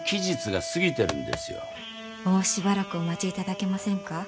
もうしばらくお待ちいただけませんか？